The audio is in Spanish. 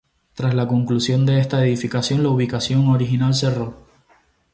Tras la conclusión de esta edificación, la ubicación original cerró.